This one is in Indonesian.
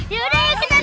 yaudah kita naik